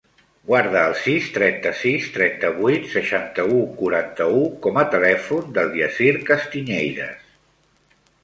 Guarda el sis, trenta-sis, trenta-vuit, seixanta-u, quaranta-u com a telèfon del Yassir Castiñeiras.